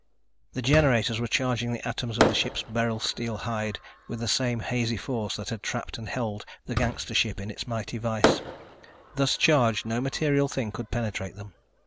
The generators were charging the atoms of the ship's beryl steel hide with the same hazy force that had trapped and held the gangster ship in a mighty vise. Thus charged, no material thing could penetrate them.